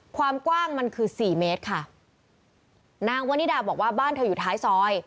ความกว้างมันคือสี่เมตรค่ะนางวันนิดาบอกว่าบ้านเธออยู่ท้ายซอย